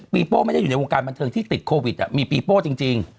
โป้ไม่ได้อยู่ในวงการบันเทิงที่ติดโควิดมีปีโป้จริง